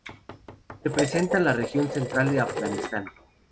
Representan la región central de Afganistán.